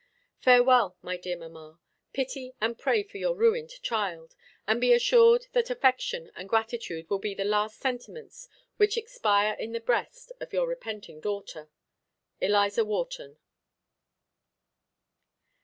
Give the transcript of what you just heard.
Farewell, my dear mamma! Pity and pray for your ruined child; and be assured that affection and gratitude will be the last sentiments which expire in the breast of your repenting daughter, ELIZA WHARTON.